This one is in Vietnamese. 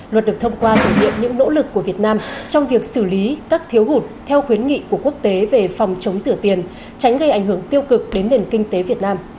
luật được thông qua thể hiện những nỗ lực của việt nam trong việc xử lý các thiếu hụt theo khuyến nghị của quốc tế về phòng chống rửa tiền tránh gây ảnh hưởng tiêu cực đến nền kinh tế việt nam